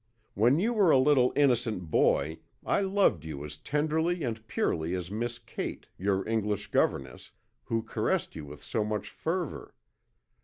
When you were a little innocent boy I loved you as tenderly and purely as Miss Kate, your English governess, who caressed you with so much fervour.